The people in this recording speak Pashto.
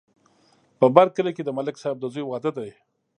په بر کلي کې د ملک صاحب د زوی واده دی